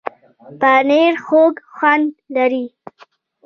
پنېر خوږ خوند لري.